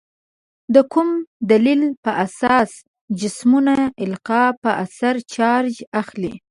د کوم دلیل په اساس جسمونه القا په اثر چارج اخلي؟